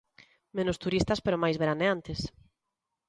Menos turistas pero máis veraneantes.